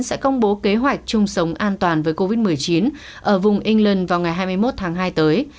sẽ công bố kế hoạch chung sống an toàn với covid một mươi chín ở vùng england vào ngày hai mươi một tháng hai tới